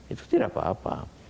itu tidak apa apa